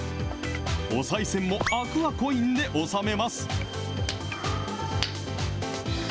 おさい銭もアクアコインで納めます。